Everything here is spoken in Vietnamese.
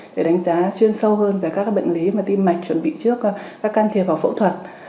để đánh giá chuyên sâu hơn về các bệnh lý mà tim mạch chuẩn bị trước các can thiệp vào phẫu thuật